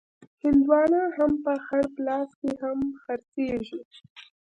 هندوانه په خړ پلاس کې هم خرڅېږي.